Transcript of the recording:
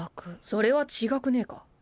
それは違くねぇか？